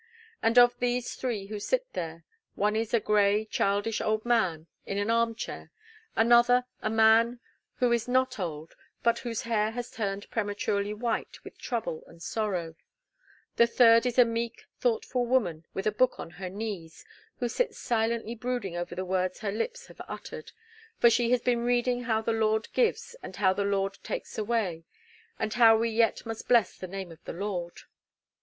And of these three who sit there, one is a grey, childish old man in an arm chair; another, a man who is not old, but whose hair has turned prematurely white with trouble and sorrow; the third is a meek, thoughtful woman with a book on her knees, who sits silently brooding over the words her lips have uttered; for she has been reading how the Lord gives and how the Lord takes away, and how we yet must bless the name of the Lord.